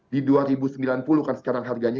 di dua ribu sembilan puluh kan sekarang harganya